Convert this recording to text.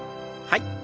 はい。